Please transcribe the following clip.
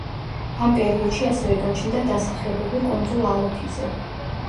ამ პერიოდში ასევე გაჩნდა დასახლებები კუნძულ ალოფიზე.